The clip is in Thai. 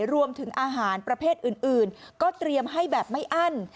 รวมถึงอาหารประเภทอื่นก็เตรียมให้แบบไม่อั้น